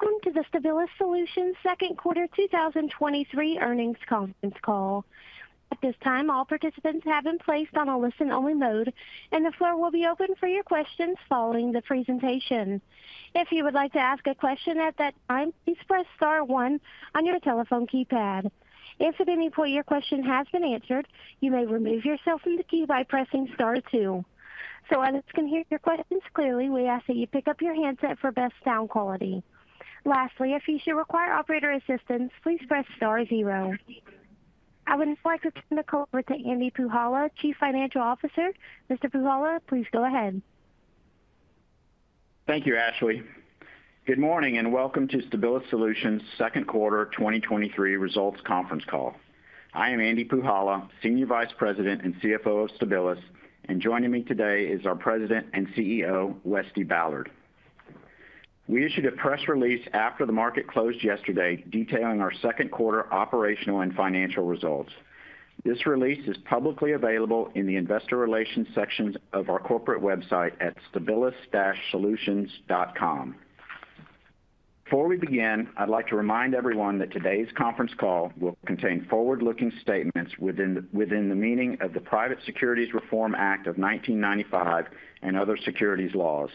Welcome to the Stabilis Solutions second quarter 2023 earnings conference call. At this time, all participants have been placed on a listen-only mode. The floor will be open for your questions following the presentation. If you would like to ask a question at that time, please press star one on your telephone keypad. If at any point your question has been answered, you may remove yourself from the key by pressing star two. As can hear your questions clearly, we ask that you pick up your handset for best sound quality. Lastly, if you should require operator assistance, please press star zero. I would now like to turn the call over to Andy Puhala, Chief Financial Officer. Mr. Puhala, please go ahead. Thank you, Ashley. Good morning and welcome to Stabilis Solutions second quarter 2023 results conference call. I am Andy Puhala, Senior Vice President and CFO of Stabilis. Joining me today is our President and CEO, Wesley Ballard. We issued a press release after the market closed yesterday detailing our second quarter operational and financial results. This release is publicly available in the investor relations sections of our corporate website at stabilis-solutions.com. Before we begin, I'd like to remind everyone that today's conference call will contain forward-looking statements within the meaning of the Private Securities Litigation Reform Act of 1995 and other securities laws.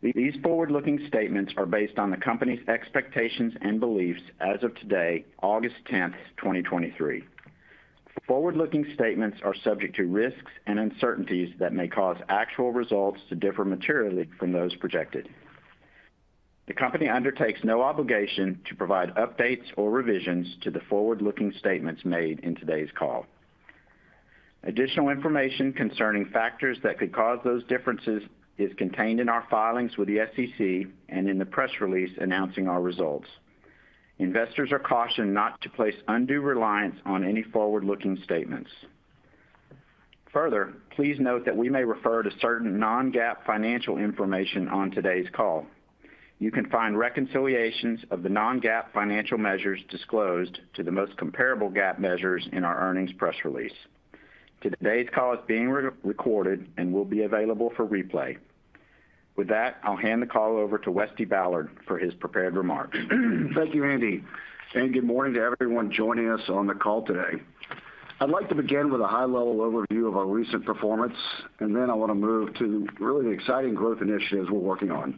These forward-looking statements are based on the company's expectations and beliefs as of today, August 10th, 2023. Forward-looking statements are subject to risks and uncertainties that may cause actual results to differ materially from those projected. The company undertakes no obligation to provide updates or revisions to the forward-looking statements made in today's call. Additional information concerning factors that could cause those differences is contained in our filings with the SEC and in the press release announcing our results. Investors are cautioned not to place undue reliance on any forward-looking statements. Further, please note that we may refer to certain non-GAAP financial information on today's call. You can find reconciliations of the non-GAAP financial measures disclosed to the most comparable GAAP measures in our earnings press release. Today's call is being recorded and will be available for replay. With that, I'll hand the call over to Westy Ballard for his prepared remarks. Thank you, Andy. Good morning to everyone joining us on the call today. I'd like to begin with a high-level overview of our recent performance, and then I want to move to really the exciting growth initiatives we're working on.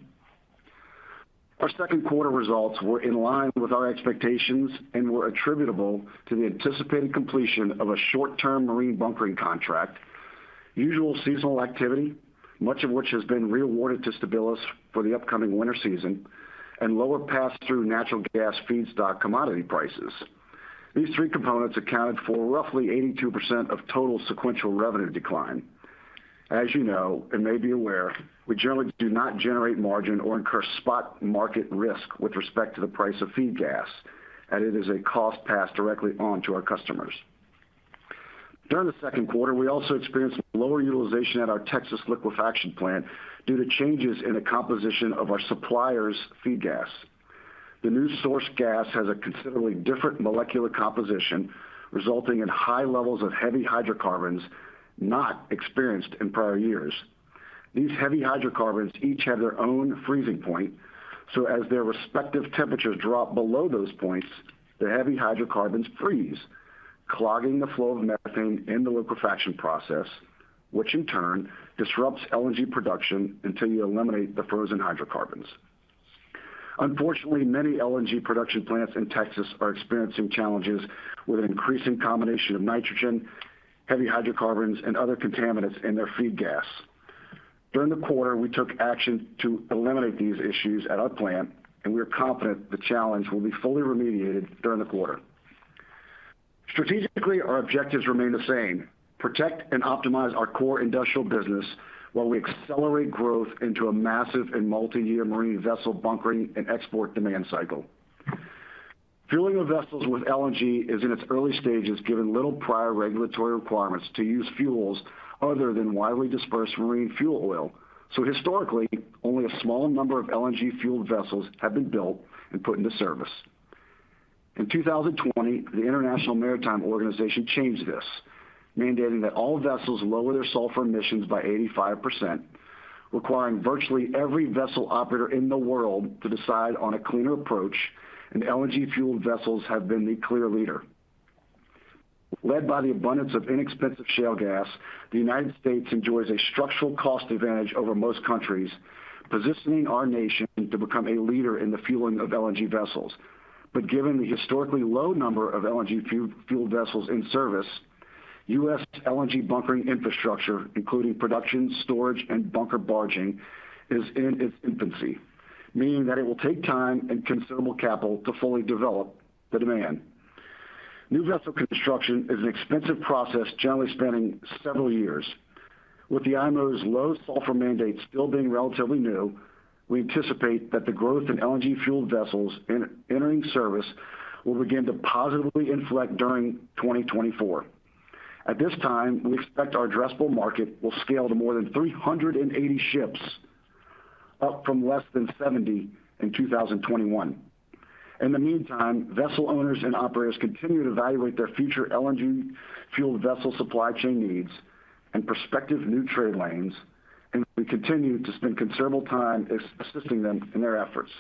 Our second quarter results were in line with our expectations and were attributable to the anticipated completion of a short-term marine bunkering contract, usual seasonal activity, much of which has been reawarded to Stabilis for the upcoming winter season, and lower pass-through natural gas feedstock commodity prices. These three components accounted for roughly 82% of total sequential revenue decline. As you know and may be aware, we generally do not generate margin or incur spot market risk with respect to the price of feed gas, and it is a cost passed directly on to our customers. During the second quarter, we also experienced lower utilization at our Texas liquefaction plant due to changes in the composition of our supplier's feed gas. The new source gas has a considerably different molecular composition, resulting in high levels of heavy hydrocarbons not experienced in prior years. These heavy hydrocarbons each have their own freezing point, so as their respective temperatures drop below those points, the heavy hydrocarbons freeze, clogging the flow of methane in the liquefaction process, which in turn disrupts LNG production until you eliminate the frozen hydrocarbons. Unfortunately, many LNG production plants in Texas are experiencing challenges with an increasing combination of nitrogen, heavy hydrocarbons, and other contaminants in their feed gas. During the quarter, we took action to eliminate these issues at our plant, and we are confident the challenge will be fully remediated during the quarter. Strategically, our objectives remain the same: protect and optimize our core industrial business while we accelerate growth into a massive and multi-year marine vessel bunkering and export demand cycle. Fueling of vessels with LNG is in its early stages, given little prior regulatory requirements to use fuels other than widely dispersed marine fuel oil. Historically, only a small number of LNG-fueled vessels have been built and put into service. In 2020, the International Maritime Organization changed this, mandating that all vessels lower their sulfur emissions by 85%, requiring virtually every vessel operator in the world to decide on a cleaner approach. LNG-fueled vessels have been the clear leader. Led by the abundance of inexpensive shale gas, the United States enjoys a structural cost advantage over most countries, positioning our nation to become a leader in the fueling of LNG vessels. Given the historically low number of LNG-fueled vessels in service, U.S. LNG bunkering infrastructure, including production, storage, and bunker barging, is in its infancy, meaning that it will take time and considerable capital to fully develop the demand. New vessel construction is an expensive process, generally spanning several years. With the IMO's low sulfur mandate still being relatively new, we anticipate that the growth in LNG-fueled vessels entering service will begin to positively inflect during 2024. At this time, we expect our addressable market will scale to more than 380 ships, up from less than 70 in 2021. In the meantime, vessel owners and operators continue to evaluate their future LNG-fueled vessel supply chain needs and prospective new trade lanes, and we continue to spend considerable time assisting them in their efforts.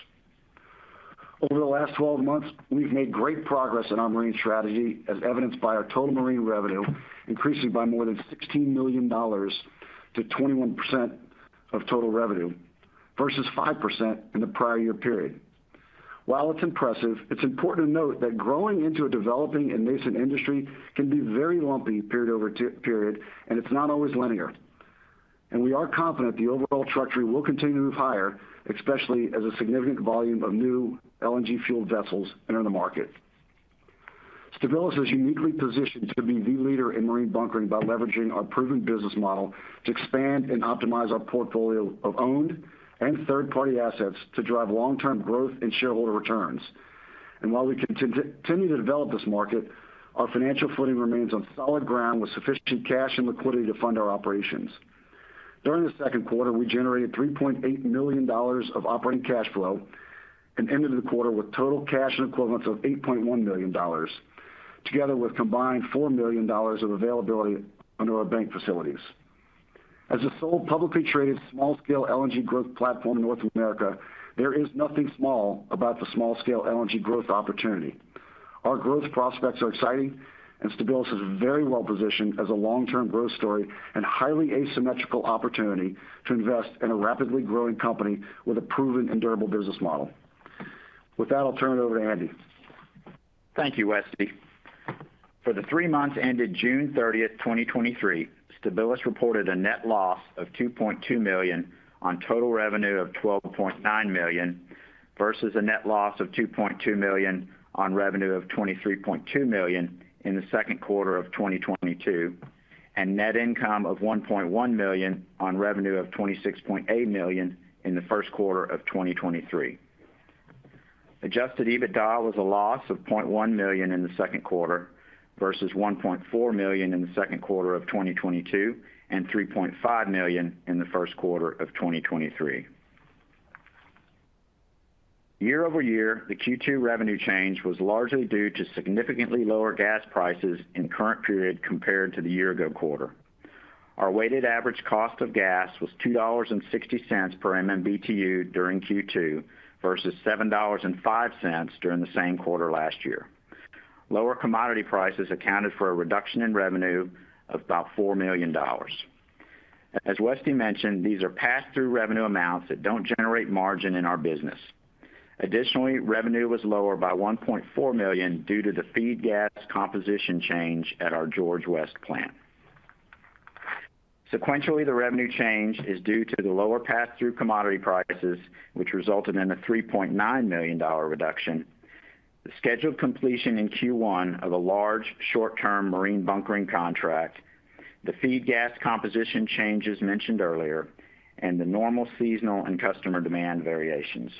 Over the last 12 months, we've made great progress in our marine strategy, as evidenced by our total marine revenue increasing by more than $16 million to 21% of total revenue versus 5% in the prior year period. While it's impressive, it's important to note that growing into a developing and nascent industry can be very lumpy period over period, and it's not always linear. We are confident the overall trajectory will continue to move higher, especially as a significant volume of new LNG-fueled vessels enter the market. Stabilis is uniquely positioned to be the leader in marine bunkering by leveraging our proven business model to expand and optimize our portfolio of owned and third-party assets to drive long-term growth and shareholder returns. While we continue to develop this market, our financial footing remains on solid ground with sufficient cash and liquidity to fund our operations. During the second quarter, we generated $3.8 million of operating cash flow and ended the quarter with total cash and equivalents of $8.1 million, together with combined $4 million of availability under our bank facilities. As the sole publicly traded small-scale LNG growth platform in North America, there is nothing small about the small-scale LNG growth opportunity. Our growth prospects are exciting, and Stabilis is very well positioned as a long-term growth story and highly asymmetrical opportunity to invest in a rapidly growing company with a proven and durable business model. With that, I'll turn it over to Andy. Thank you, Wesley. For the three months ended June 30th, 2023, Stabilis reported a net loss of $2.2 million on total revenue of $12.9 million versus a net loss of $2.2 million on revenue of $23.2 million in the second quarter of 2022. Net income of $1.1 million on revenue of $26.8 million in the first quarter of 2023. Adjusted EBITDA was a loss of $0.1 million in the second quarter versus $1.4 million in the second quarter of 2022 and $3.5 million in the first quarter of 2023. Year-over-year, the Q2 revenue change was largely due to significantly lower gas prices in current period compared to the year-ago quarter. Our weighted average cost of gas was $2.60 per MMBTU during Q2 versus $7.05 during the same quarter last year. Lower commodity prices accounted for a reduction in revenue of about $4 million. As Wesley mentioned, these are pass-through revenue amounts that don't generate margin in our business. Additionally, revenue was lower by $1.4 million due to the feed gas composition change at our George West plant. Sequentially, the revenue change is due to the lower pass-through commodity prices, which resulted in a $3.9 million reduction, the scheduled completion in Q1 of a large short-term marine bunkering contract, the feed gas composition changes mentioned earlier, and the normal seasonal and customer demand variations.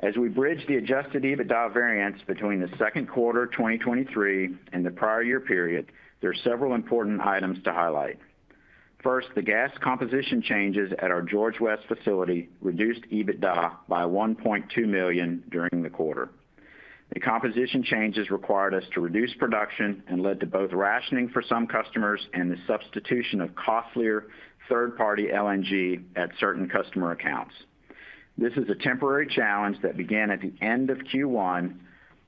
As we bridge the adjusted EBITDA variance between the second quarter 2023 and the prior year period, there are several important items to highlight. First, the gas composition changes at our George West facility reduced EBITDA by $1.2 million during the quarter. The composition changes required us to reduce production and led to both rationing for some customers and the substitution of costlier third-party LNG at certain customer accounts. This is a temporary challenge that began at the end of Q1,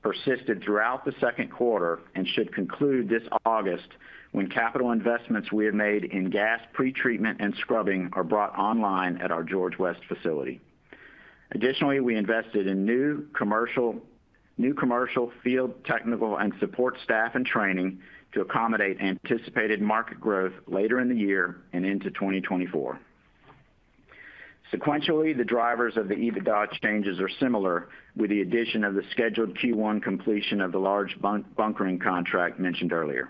persisted throughout the second quarter, and should conclude this August when capital investments we have made in gas pretreatment and scrubbing are brought online at our George West facility. We invested in new commercial field technical and support staff and training to accommodate anticipated market growth later in the year and into 2024. Sequentially, the drivers of the EBITDA changes are similar with the addition of the scheduled Q1 completion of the large bunkering contract mentioned earlier.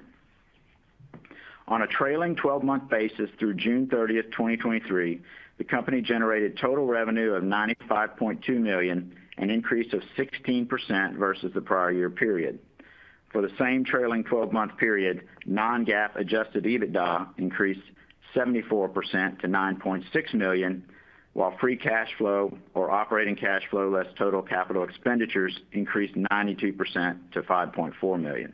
On a trailing 12-month basis through June 30th, 2023, the company generated total revenue of $95.2 million, an increase of 16% versus the prior year period. For the same trailing 12-month period, non-GAAP Adjusted EBITDA increased 74% to $9.6 million, while free cash flow or operating cash flow less total capital expenditures increased 92% to $5.4 million.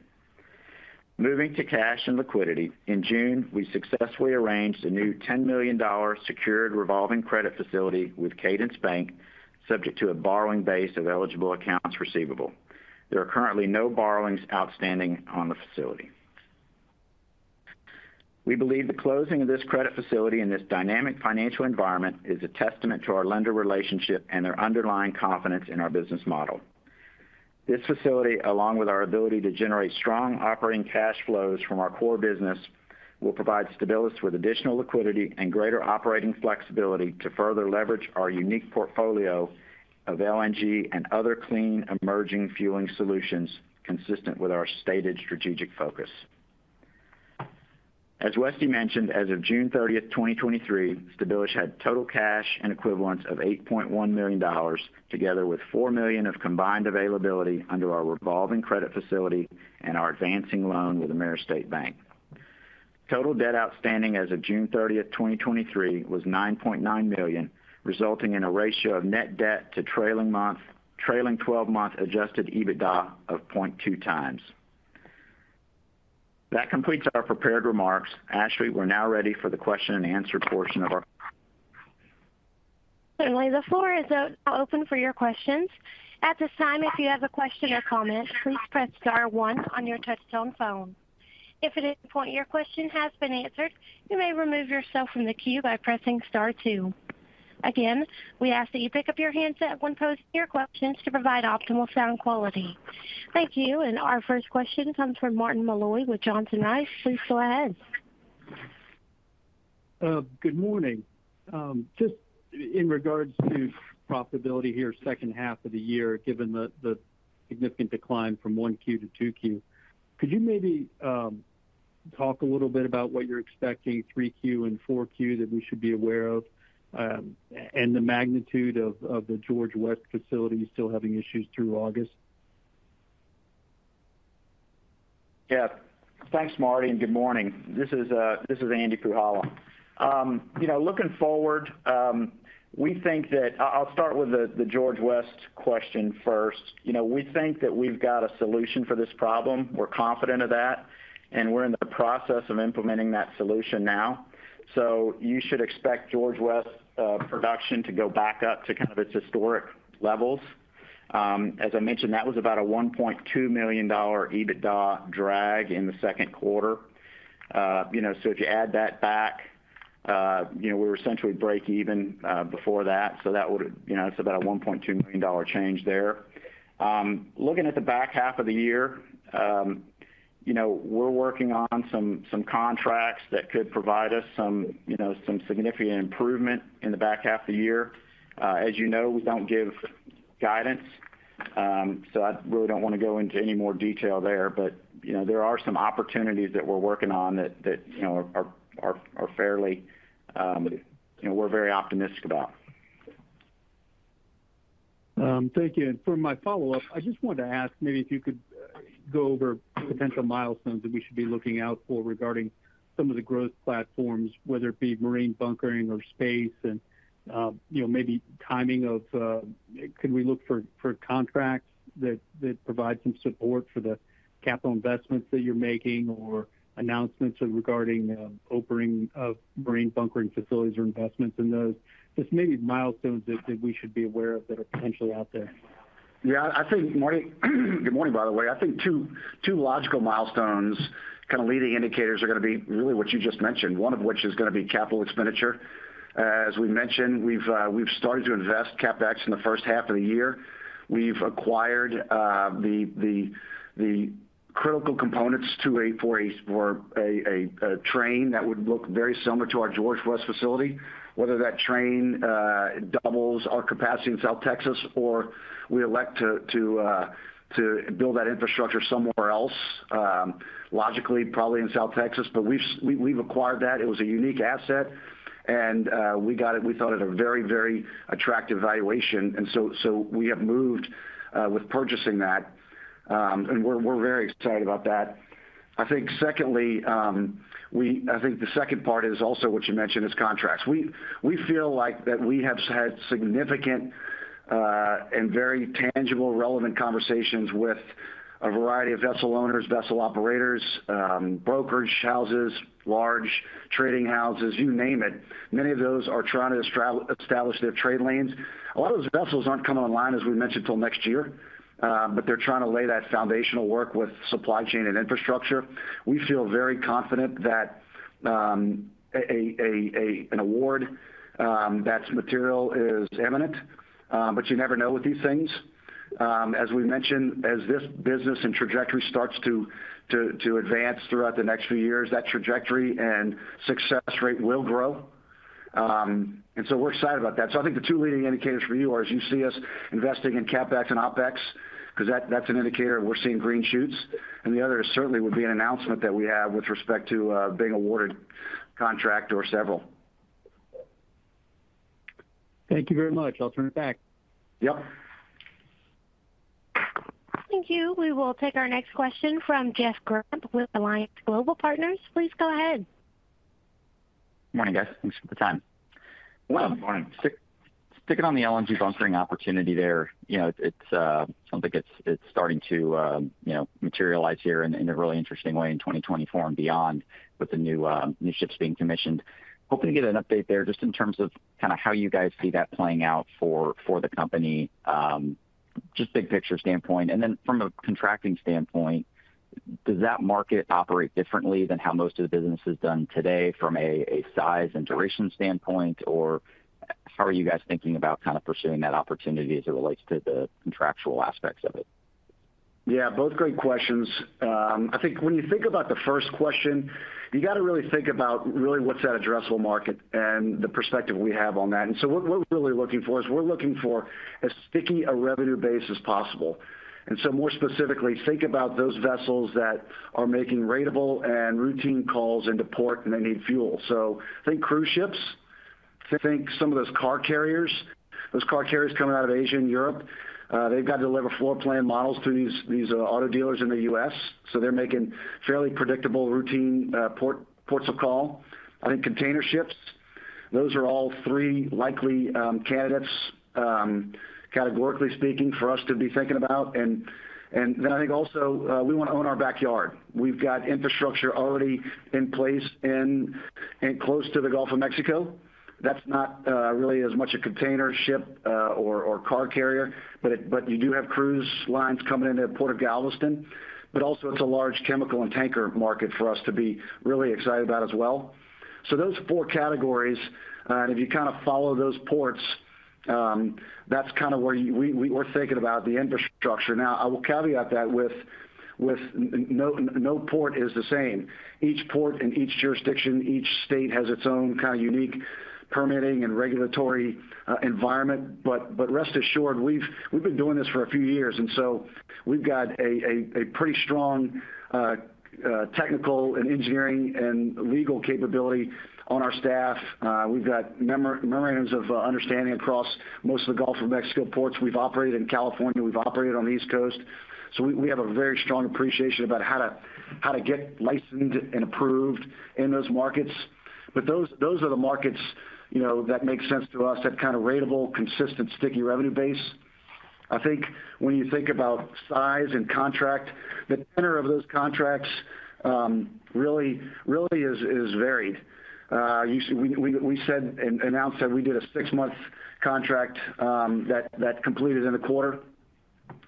Moving to cash and liquidity, in June, we successfully arranged a new $10 million secured revolving credit facility with Cadence Bank, subject to a borrowing base of eligible accounts receivable. There are currently no borrowings outstanding on the facility. We believe the closing of this credit facility in this dynamic financial environment is a testament to our lender relationship and their underlying confidence in our business model. This facility, along with our ability to generate strong operating cash flows from our core business, will provide Stabilis with additional liquidity and greater operating flexibility to further leverage our unique portfolio of LNG and other clean emerging fueling solutions consistent with our stated strategic focus. As Wesley mentioned, as of June 30th, 2023, Stabilis had total cash and equivalents of $8.1 million, together with $4 million of combined availability under our revolving credit facility and our advancing loan with AmeriState Bank. Total debt outstanding as of June 30th, 2023, was $9.9 million, resulting in a ratio of net debt to trailing 12-month Adjusted EBITDA of 0.2 times. That completes our prepared remarks. Ashley, we're now ready for the question and answer portion of our. Certainly. The floor is now open for your questions. At this time, if you have a question or comment, please press star one on your touch-tone phone. If at any point your question has been answered, you may remove yourself from the queue by pressing star two. Again, we ask that you pick up your handset when posing your questions to provide optimal sound quality. Thank you. Our first question comes from Martin Malloy with Johnson Rice. Please go ahead. Good morning. Just in regards to profitability here second half of the year, given the significant decline from 1Q to 2Q, could you maybe talk a little bit about what you're expecting 3Q and 4Q that we should be aware of, and the magnitude of the George West facility still having issues through August? Yeah. Thanks, Marty, good morning. This is Andy Puhala. Looking forward, we think that I'll start with the George West question first. We think that we've got a solution for this problem. We're confident of that, we're in the process of implementing that solution now. You should expect George West production to go back up to kind of its historic levels. As I mentioned, that was about a $1.2 million EBITDA drag in the second quarter. If you add that back, we were essentially break-even before that. That's about a $1.2 million change there. Looking at the back half of the year, we're working on some contracts that could provide us some significant improvement in the back half of the year. As you know, we don't give guidance, I really don't want to go into any more detail there. There are some opportunities that we're working on that are fairly we're very optimistic about. Thank you. For my follow-up, I just wanted to ask maybe if you could go over potential milestones that we should be looking out for regarding some of the growth platforms, whether it be marine bunkering or space, and maybe timing of could we look for contracts that provide some support for the capital investments that you're making or announcements regarding opening of marine bunkering facilities or investments in those, just maybe milestones that we should be aware of that are potentially out there? Good morning, by the way. I think two logical milestones, kind of leading indicators, are going to be really what you just mentioned, one of which is going to be capital expenditure. As we mentioned, we've started to invest CapEx in the first half of the year. We've acquired the critical components for a train that would look very similar to our George West facility, whether that train doubles our capacity in South Texas or we elect to build that infrastructure somewhere else, logically, probably in South Texas. We've acquired that. It was a unique asset, and we thought it a very, very attractive valuation. We have moved with purchasing that, and we're very excited about that. I think, secondly, I think the second part is also what you mentioned is contracts. We feel like that we have had significant and very tangible, relevant conversations with a variety of vessel owners, vessel operators, brokerage houses, large trading houses, you name it. Many of those are trying to establish their trade lanes. A lot of those vessels aren't coming online, as we mentioned, until next year, but they're trying to lay that foundational work with supply chain and infrastructure. We feel very confident that an award that's material is imminent, but you never know with these things. As we mentioned, as this business and trajectory starts to advance throughout the next few years, that trajectory and success rate will grow. We're excited about that. I think the two leading indicators for you are as you see us investing in CapEx and OpEx because that's an indicator we're seeing green shoots. The other certainly would be an announcement that we have with respect to being awarded contract or several. Thank you very much. I'll turn it back. Yep. Thank you. We will take our next question from Jeff Grampp with Alliance Global Partners. Please go ahead. Morning, guys. Thanks for the time. Well, good morning. Sticking on the LNG bunkering opportunity there, it sounds like it's starting to materialize here in a really interesting way in 2024 and beyond with the new ships being commissioned. Hoping to get an update there just in terms of kind of how you guys see that playing out for the company, just big picture standpoint. Then from a contracting standpoint, does that market operate differently than how most of the business is done today from a size and duration standpoint? How are you guys thinking about kind of pursuing that opportunity as it relates to the contractual aspects of it? Yeah. Both great questions. I think when you think about the first question, you got to really think about really what's that addressable market and the perspective we have on that. What we're really looking for is we're looking for as sticky a revenue base as possible. More specifically, think about those vessels that are making ratable and routine calls into port and they need fuel. hink cruise ships. Think some of those car carriers. Those car carriers coming out of Asia and Europe, they've got to deliver floor plan models to these auto dealers in the U.S., so they're making fairly predictable routine ports of call. I think container ships, those are all three likely candidates, categorically speaking, for us to be thinking about. Then I think also we want to own our backyard. We've got infrastructure already in place and close to the Gulf of Mexico. That's not really as much a container ship or car carrier, but you do have cruise lines coming into the Port of Galveston. Also, it's a large chemical and tanker market for us to be really excited about as well. Those four categories, and if you kind of follow those ports, that's kind of where we're thinking about the infrastructure. Now, I will caveat that with no port is the same. Each port in each jurisdiction, each state has its own kind of unique permitting and regulatory environment. Rest assured, we've been doing this for a few years, and so we've got a pretty strong technical and engineering and legal capability on our staff. We've got memorandums of understanding across most of the Gulf of Mexico ports. We've operated in California. We've operated on the East Coast. We have a very strong appreciation about how to get licensed and approved in those markets. Those are the markets that make sense to us, that kind of ratable, consistent, sticky revenue base. I think when you think about size and contract, the tenor of those contracts really is varied. We announced that we did a 6-month contract that completed in a quarter.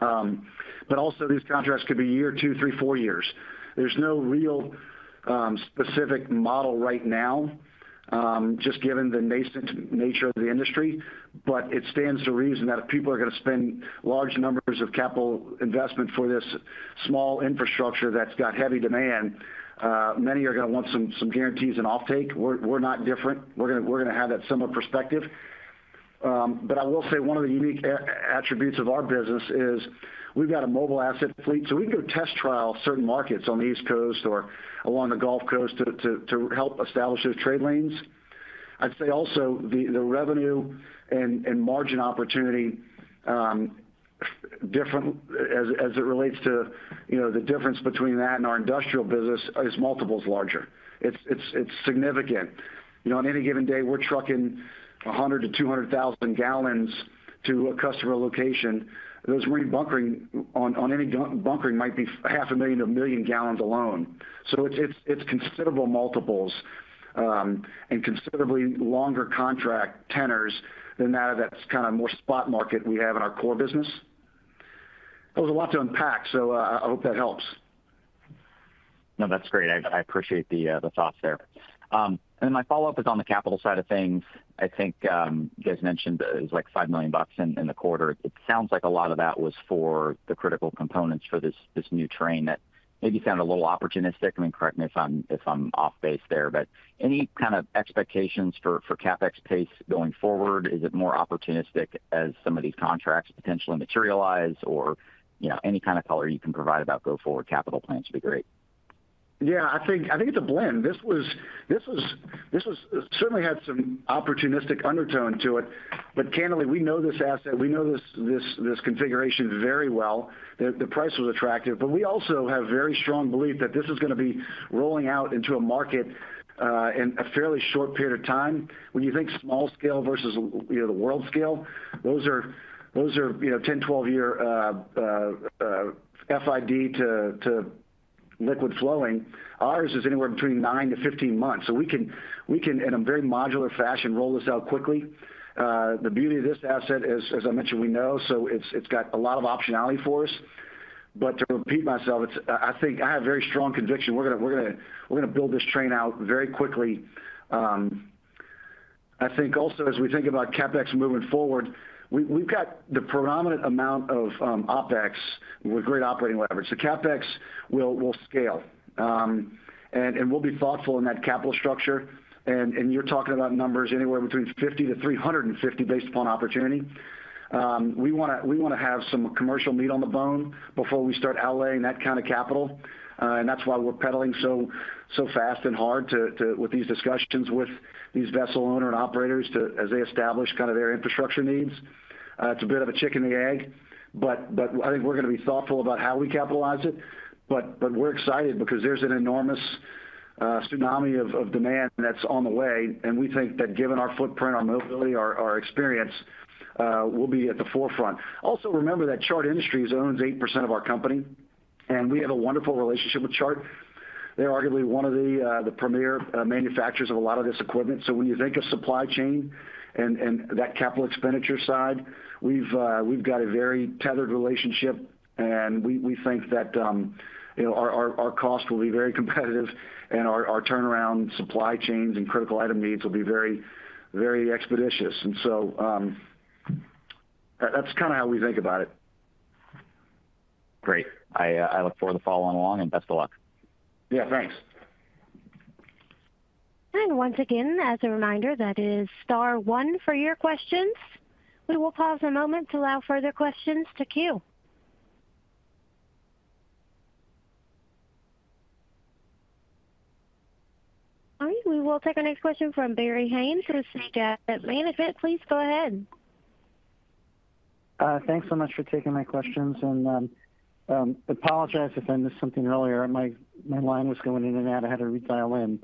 Also, these contracts could be year, 2, 3, 4 years. There's no real specific model right now, just given the nascent nature of the industry. It stands to reason that if people are going to spend large numbers of capital investment for this small infrastructure that's got heavy demand, many are going to want some guarantees and offtake. We're not different. We're going to have that similar perspective. I will say one of the unique attributes of our business is we've got a mobile asset fleet, so we can go test trial certain markets on the East Coast or along the Gulf Coast to help establish those trade lanes. I'd say also, the revenue and margin opportunity, as it relates to the difference between that and our industrial business, is multiples larger. It's significant. On any given day, we're trucking 100,000-200,000 gallons to a customer location. Those marine bunkering on any bunkering might be 500,000-1 million gallons alone. It's considerable multiples and considerably longer contract tenors than that of that kind of more spot market we have in our core business. That was a lot to unpack, so I hope that helps. No, that's great. I appreciate the thoughts there. My follow-up is on the capital side of things. I think you guys mentioned it was like $5 million in the quarter. It sounds like a lot of that was for the critical components for this new train that maybe sounded a little opportunistic. I mean, correct me if I'm off base there. Any kind of expectations for CapEx pace going forward? Is it more opportunistic as some of these contracts potentially materialize? Any color you can provide about go forward capital plans would be great. Yeah. I think it's a blend. This certainly had some opportunistic undertone to it. Candidly, we know this asset. We know this configuration very well. The price was attractive. We also have very strong belief that this is going to be rolling out into a market in a fairly short period of time. When you think small-scale versus the world-scale, those are 10-12-year FID to liquid flowing. Ours is anywhere between 9 to 15 months. We can, in a very modular fashion, roll this out quickly. The beauty of this asset, as I mentioned, we know, so it's got a lot of optionality for us. To repeat myself, I think I have very strong conviction we're going to build this train out very quickly. I think also, as we think about CapEx moving forward, we've got the predominant amount of OpEx with great operating leverage. The CapEx will scale, and we'll be thoughtful in that capital structure. You're talking about numbers anywhere between 50-350 based upon opportunity. We want to have some commercial meat on the bone before we start outlaying that kind of capital. That's why we're pedaling so fast and hard with these discussions with these vessel owner and operators as they establish kind of their infrastructure needs. It's a bit of a chicken and egg. I think we're going to be thoughtful about how we capitalize it. We're excited because there's an enormous tsunami of demand that's on the way. We think that given our footprint, our mobility, our experience, we'll be at the forefront. Remember that Chart Industries owns 8% of our company, and we have a wonderful relationship with Chart. They're arguably one of the premier manufacturers of a lot of this equipment. When you think of supply chain and that capital expenditure side, we've got a very tethered relationship, and we think that our cost will be very competitive, and our turnaround supply chains and critical item needs will be very expeditious. That's kind of how we think about it. Great. I look forward to following along, and best of luck. Yeah. Thanks. Once again, as a reminder, that is star one for your questions. We will pause a moment to allow further questions to queue. We will take our next question from Barry Haynes. Please go ahead. Thanks so much for taking my questions. Apologize if I missed something earlier. My line was going in and out. I had to redial in.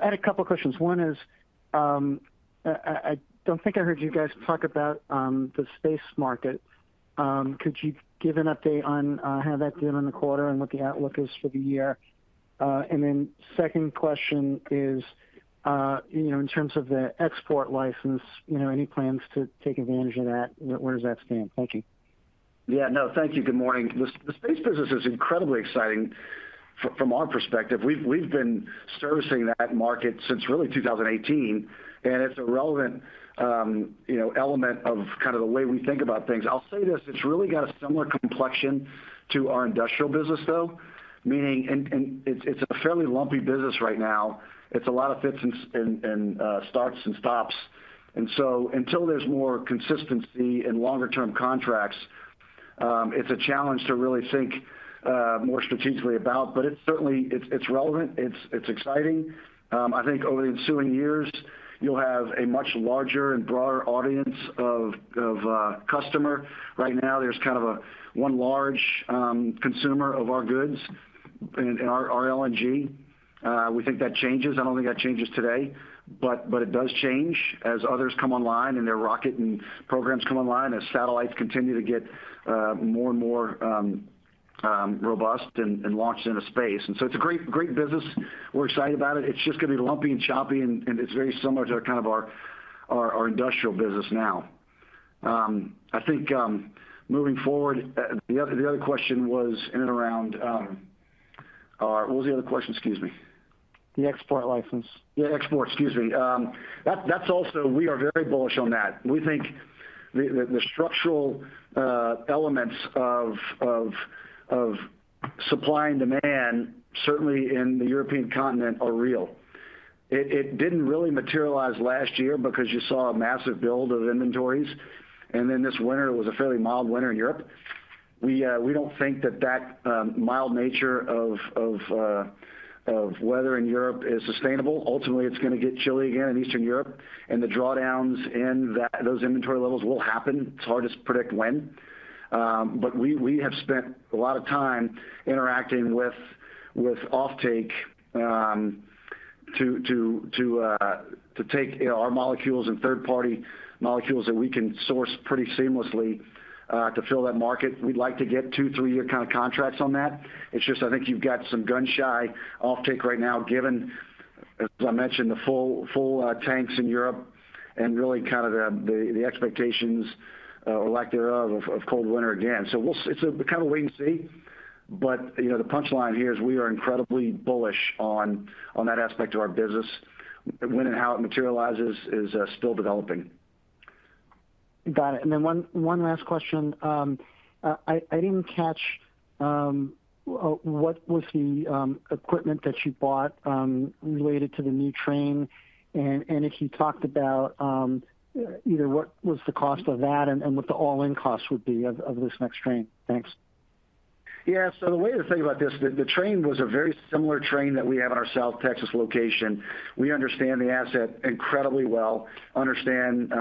I had a couple of questions. One is, I don't think I heard you guys talk about the space market. Could you give an update on how that's doing in the quarter and what the outlook is for the year? Second question is, in terms of the export license, any plans to take advantage of that? Where does that stand? Thank you. Yeah. No, thank you. Good morning. The space business is incredibly exciting from our perspective. We've been servicing that market since really 2018, and it's a relevant element of kind of the way we think about things. I'll say this. It's really got a similar complexion to our industrial business, though, meaning it's a fairly lumpy business right now. It's a lot of fits and starts and stops. Until there's more consistency and longer-term contracts, it's a challenge to really think more strategically about. It's relevant. It's exciting. I think over the ensuing years, you'll have a much larger and broader audience of customer. Right now, there's kind of one large consumer of our goods and our LNG. We think that changes. I don't think that changes today, but it does change as others come online and their rocket and programs come online, as satellites continue to get more and more robust and launched into space. So it's a great business. We're excited about it. It's just going to be lumpy and choppy, and it's very similar to kind of our industrial business now. I think moving forward, the other question was in and around what was the other question? Excuse me. The export license. Yeah. Export. Excuse me. We are very bullish on that. We think the structural elements of supply and demand, certainly in the European continent, are real. It didn't really materialize last year because you saw a massive build of inventories, and then this winter, it was a fairly mild winter in Europe. We don't think that that mild nature of weather in Europe is sustainable. Ultimately, it's going to get chilly again in Eastern Europe, and the drawdowns in those inventory levels will happen. It's hard to predict when. We have spent a lot of time interacting with offtake to take our molecules and third-party molecules that we can source pretty seamlessly to fill that market. We'd like to get 2, 3-year contracts on that. It's just I think you've got some gun-shy offtake right now, given, as I mentioned, the full tanks in Europe and really kind of the expectations or lack thereof of cold winter again. It's a kind of wait and see. The punchline here is we are incredibly bullish on that aspect of our business. When and how it materializes is still developing. Got it. Then one last question. I didn't catch what was the equipment that you bought related to the new train? If you talked about either what was the cost of that and what the all-in cost would be of this next train? Thanks. Yeah. The way to think about this, the train was a very similar train that we have in our South Texas location. We understand the asset incredibly well, understand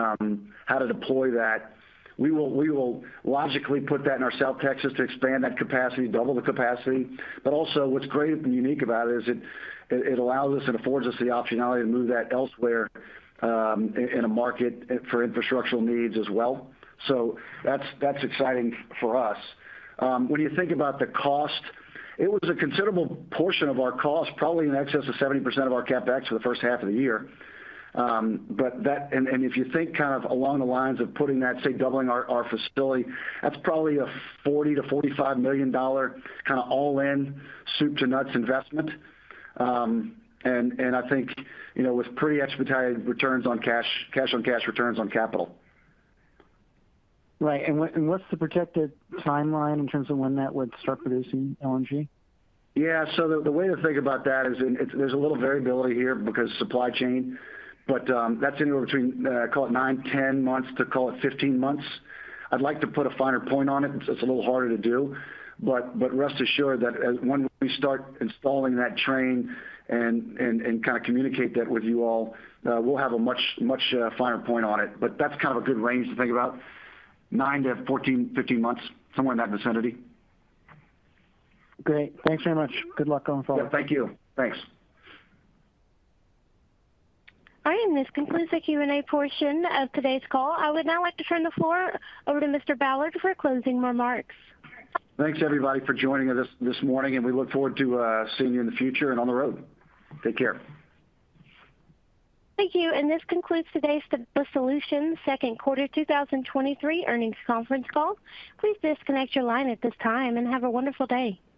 how to deploy that. We will logically put that in our South Texas to expand that capacity, double the capacity. Also, what's great and unique about it is it allows us and affords us the optionality to move that elsewhere in a market for infrastructural needs as well. That's exciting for us. When you think about the cost, it was a considerable portion of our cost, probably in excess of 70% of our CapEx for the first half of the year. If you think kind of along the lines of putting that, say, doubling our facility, that's probably a $40 million-$45 million all-in soup-to-nuts investment, and I think with pretty expedited cash-on-cash returns on capital. Right. What's the projected timeline in terms of when that would start producing LNG? Yeah. The way to think about that is there's a little variability here because supply chain. That's anywhere between, call it nine, 10 months to, call it, 15 months. I'd like to put a finer point on it. It's a little harder to do. Rest assured that when we start installing that train and kind of communicate that with you all, we'll have a much finer point on it. That's kind of a good range to think about, nine to 14, 15 months, somewhere in that vicinity. Great. Thanks very much. Good luck going forward. Yeah. Thank you. Thanks. All right. This concludes the Q&A portion of today's call. I would now like to turn the floor over to Mr. Ballard for closing remarks. Thanks, everybody, for joining us this morning, and we look forward to seeing you in the future and on the road. Take care. Thank you. This concludes today's Stabilis Solutions second quarter 2023 earnings conference call. Please disconnect your line at this time and have a wonderful day.